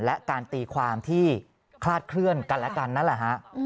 และการตีความที่คลาดเคลื่อนกันและกันนั่นแหละฮะ